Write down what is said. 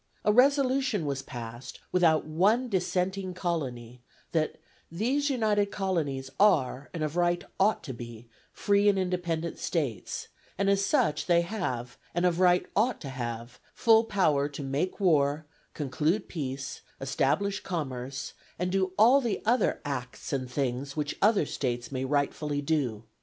A Resolution was passed without one dissenting colony 'that these United Colonies are, and of right ought to be, free and independent States, and as such they have, and of right ought to have, full power to make war, conclude peace, establish commerce, and to do all other acts and things which other States may rightfully do.'